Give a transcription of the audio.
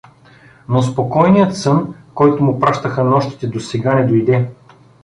Но спокойният сън, който му пращаха нощите досега, не дойде.